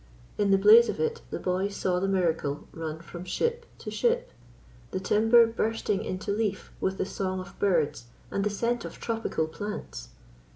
In the blaze of it the boy saw the miracle run from ship to ship the timber bursting into leaf with the song of birds and the scent of tropical plants.